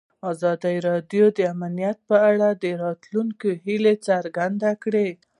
ازادي راډیو د امنیت په اړه د راتلونکي هیلې څرګندې کړې.